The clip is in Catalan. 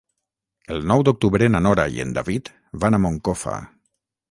El nou d'octubre na Nora i en David van a Moncofa.